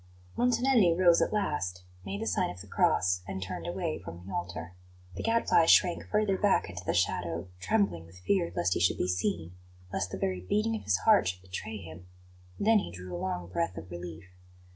Montanelli rose at last, made the sign of the cross, and turned away from the altar. The Gadfly shrank further back into the shadow, trembling with fear lest he should be seen, lest the very beating of his heart should betray him; then he drew a long breath of relief.